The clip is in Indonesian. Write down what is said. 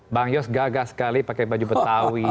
bang yos gagah sekali pakai baju betawi